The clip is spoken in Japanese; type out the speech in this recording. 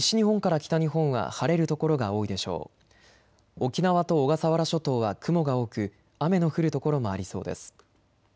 沖縄と小笠原諸島は雲が多く雨の降る所もありそうです。